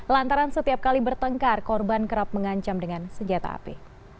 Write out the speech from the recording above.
lantaran setiap kali bertengkar korban kerap mengancam dengan senjata api